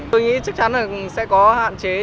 tôi nghĩ chắc chắn là sẽ có hạn chế